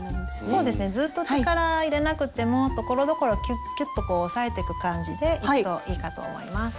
そうですねずっと力入れなくてもところどころキュッキュッとこう押さえてく感じでいくといいかと思います。